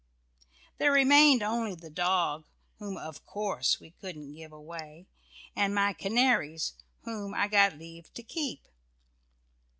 There remained only the dog, whom of course we couldn't give away and my canaries, whom I got leave to keep.